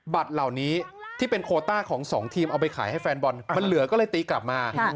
เหล่านี้ที่เป็นโคต้าของสองทีมเอาไปขายให้แฟนบอลมันเหลือก็เลยตีกลับมา